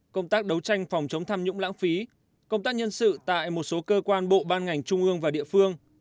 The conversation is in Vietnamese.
công tác đấu tranh phòng chống tham nhũng lãng phí công tác nhân sự tại một số cơ quan bộ ban ngành trung ương và địa phương